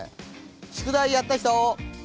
宿題やった人？